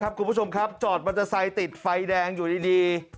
ครับคุณผู้ชมครับจอดมันจะใส่ติดไฟแดงอยู่ดี